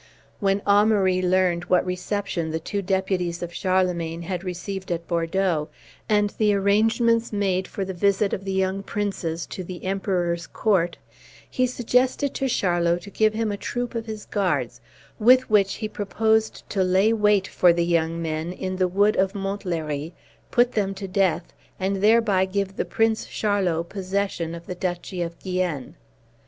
When Amaury learned what reception the two deputies of Charlemagne had received at Bordeaux, and the arrangements made for the visit of the young princes to the Emperor's court, he suggested to Charlot to give him a troop of his guards, with which he proposed to lay wait for the young men in the wood of Montlery, put them to death, and thereby give the prince Charlot possession of the duchy of Guienne.